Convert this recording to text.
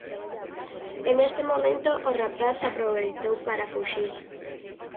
E nese momento o rapaz aproveitou para fuxir.